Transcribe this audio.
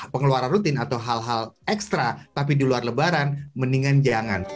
pengeluaran rutin atau hal hal ekstra tapi di luar lebaran mendingan jangan